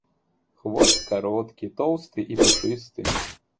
Хвост кароткі, тоўсты і пушысты.